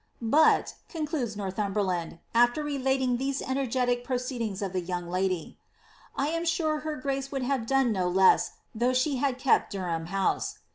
*^ But," concludes Northumberland, afler relating these energetic pro ceedings of the young lady, ^^ 1 am sure her grace would have done no less, though she had kept Durham House."